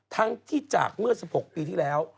ทั้งที่จากเมื่อ๑๖ปีที่แล้ว